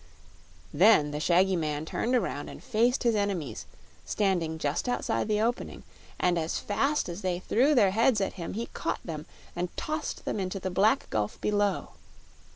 Then the shaggy man turned around and faced his enemies, standing just outside the opening, and as fast as they threw their heads at him he caught them and tossed them into the black gulf below.